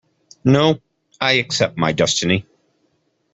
No, I accept my destiny.